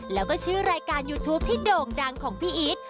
แล้วก็ชื่อรายการยูทูปที่โด่งดังของพี่อีท